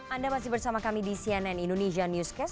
anda masih bersama kami di cnn indonesia newscast